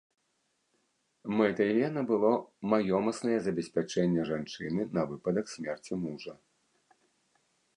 Мэтай вена было маёмаснае забеспячэнне жанчыны на выпадак смерці мужа.